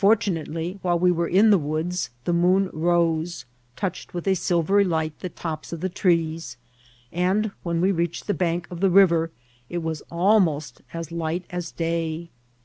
FOTtunately, while we were in the woods^ the moon rose, touched with a silrery light the tops of the trees, and when we reached the bank of the riyer k was ahnost as light as day.